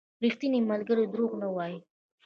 • ریښتینی ملګری دروغ نه وايي.